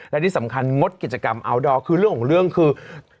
และที่สำคัญงดกิจกรรมอัลดอร์คือเรื่องของเรื่องคือ